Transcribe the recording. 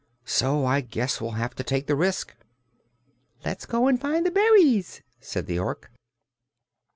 So I guess we'll have to take the risk." "Let's go and find the berries," said the Ork.